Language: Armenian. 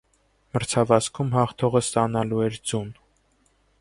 Մրցավազքում, հաղթողը ստանալու էր ձուն։